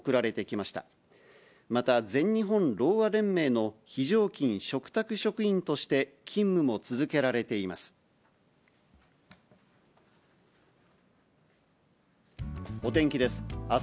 また、全日本ろうあ連盟の非常勤嘱託職員として勤務も続けられています。